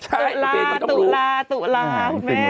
ใช่ตุลาตุลาตุลาตุลาพวกแม่